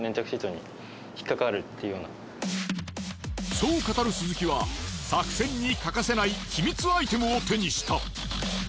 そう語る鈴木は作戦に欠かせない秘密アイテムを手にした。